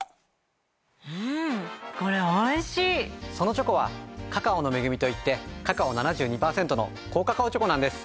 そのチョコは「カカオの恵み」といってカカオ７２％の高カカオチョコなんです。